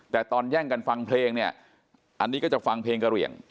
แต่ตอนแย่งกันฟังเพลงเนี่ยอันนี้ก็จะฟังเพลงกะเหลี่ยง